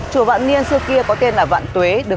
chùa vạn niên xưa kia có tên là vạn tuế